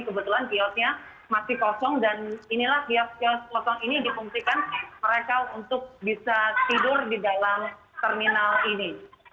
kebetulan kiosnya masih kosong dan inilah kios kios kosong ini dipungsikan mereka untuk bisa tidur di dalam terminal ini